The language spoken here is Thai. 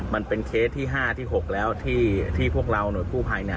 มันเป็นเคสที่ห้าที่หกแล้วที่พวกเรานท์ผู้ภัย